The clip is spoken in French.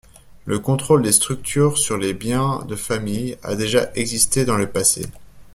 Le contrôle des structures sur les biens de famille a déjà existé dans le passé.